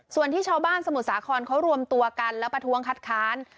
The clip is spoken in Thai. ส่วนที่ชาวบ้านสมุทรสาครเขารวมตัวกันและประท้วงคัดค้าน